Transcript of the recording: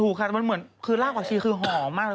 ถูกค่ะมันเหมือนคือลากก๋วยชีคือหอมมากเลย